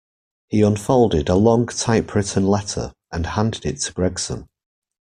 He unfolded a long typewritten letter, and handed it to Gregson.